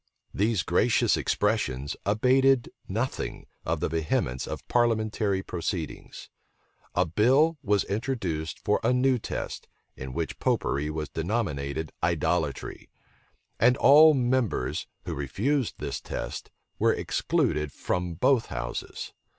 These gracious expressions abated nothing of the vehemence of parliamentary proceedings. A bill was introduced for a new test, in which Popery was denominated idolatry; and all members, who refused this test, were excluded from both houses.